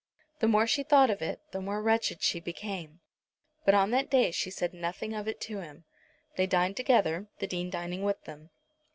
The more she thought of it the more wretched she became; but on that day she said nothing of it to him. They dined together, the Dean dining with them.